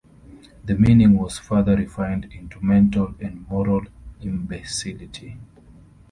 The meaning was further refined into mental and moral imbecility.